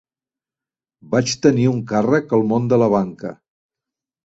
Vaig tenir un càrrec al món de la banca.